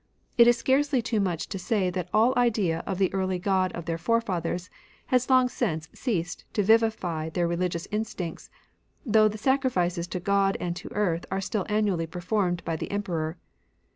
It is scarcely too much to say that all idea of the early God of their forefathers has long since ceased to vivify their reUgious instincts, though the sacrifices to God and to Earth are still annually performed by the Emperor.